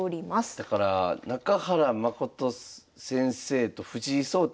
だから中原誠先生と藤井聡太